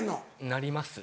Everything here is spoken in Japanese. なります。